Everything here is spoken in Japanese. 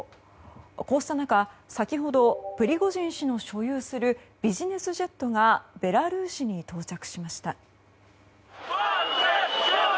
こうした中先ほどプリゴジン氏の所有するビジネスジェットがベラルーシに到着しました。